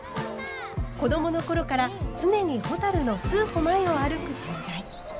子どもの頃から常にほたるの数歩前を歩く存在。